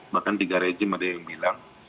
bahkan tiga rejim ada yang bilang